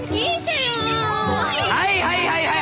はいはいはいはい！